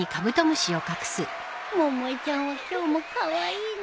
百恵ちゃんは今日もカワイイね。